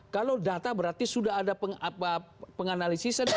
kalau data berarti sudah ada penganalisis